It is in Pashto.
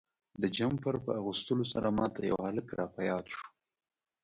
د جمپر په اغوستلو سره ما ته یو هلک را په یاد شو.